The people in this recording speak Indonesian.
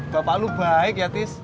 bapak lu baik ya tis